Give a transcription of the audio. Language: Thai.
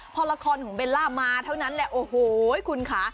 พอละครของเบลล่ามาเท่านั้นแหละโอ้โหคุณค่ะ